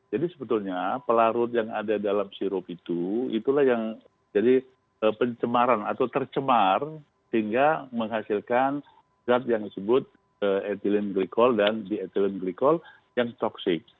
jadi sebetulnya pelarut yang ada dalam sirup itu itulah yang jadi pencemaran atau tercemar sehingga menghasilkan zat yang disebut ethylene glycol dan di ethylene glycol yang toxic